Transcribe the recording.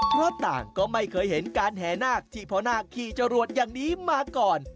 เพราะต่างก็ไม่เคยเห็นการแห่นาคที่พ่อนาคขี่จรวดอย่างนี้มาก่อน